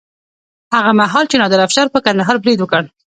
هغه مهال چې نادر افشار پر کندهار برید وکړ.